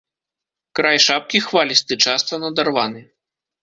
Край шапкі хвалісты, часта надарваны.